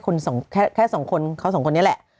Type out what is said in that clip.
แค่สองคนเขาสองคนนี้แหละ